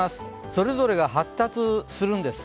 それぞれが発達するんです。